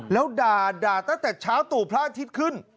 แล้วด่าตั้งแต่เช้าตู่พระอาทิตย์ขึ้น